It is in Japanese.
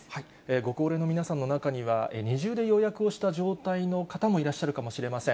ご高齢の皆さんの中には、二重で予約をした状態の方もいらっしゃるかもしれません。